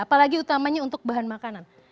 apalagi utamanya untuk bahan makanan